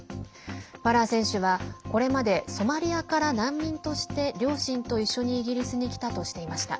ファラー選手はこれまで、ソマリアから難民として両親と一緒にイギリスに来たとしていました。